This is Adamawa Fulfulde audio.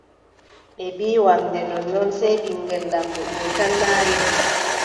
Ɓe mbiʼi wamnde nonnnon, sey ɓiŋngel laamɗo ɗo tan laari mo.